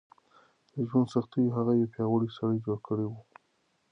د ژوند سختیو هغه یو پیاوړی سړی جوړ کړی و.